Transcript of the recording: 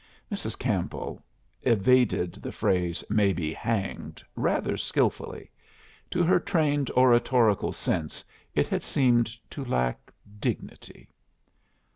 Mrs. Campbell evaded the phrase "may be hanged" rather skilfully. To her trained oratorical sense it had seemed to lack dignity.